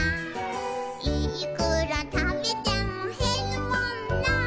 「いーくらたべてもへるもんなー」